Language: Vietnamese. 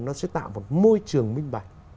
nó sẽ tạo một môi trường minh bạch